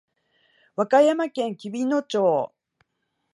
和歌山県紀美野町